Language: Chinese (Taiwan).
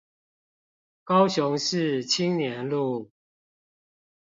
高雄市青年路